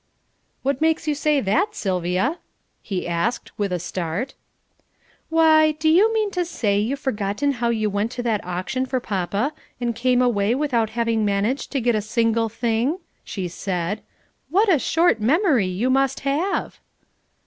"What makes you say that, Sylvia?" he asked, with a start. "Why, do you mean to say you've forgotten how you went to that auction for papa, and came away without having managed to get a single thing?" she said. "What a short memory you must have!"